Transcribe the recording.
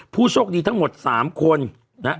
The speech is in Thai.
ผู้โชคดีทั้งหมด๓คนนะฮะ